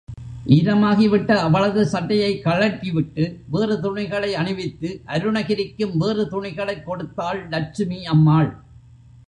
ஈரமாகிவிட்ட அவளது சட்டையை கழற்றி விட்டு வேறு துணிகளை அணிவித்து, அருணகிரிக்கும் வேறு துணிகளைக் கொடுத்தாள் லட்சுமி அம்மாள்.